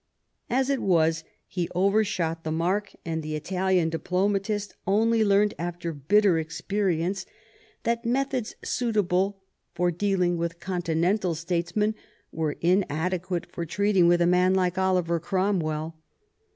As it was, he overshot the mark, and the Italian diplomatist only learnt after bitter experience that methods suitable for dealing with continental statesmen were inadequate for treating with a man like Oliver Cromwell.